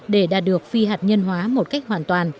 để đạt được phi hạt nhân hóa một cách hoàn toàn